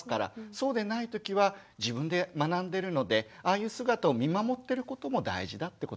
そうでない時は自分で学んでるのでああいう姿を見守ってることも大事だってことですね。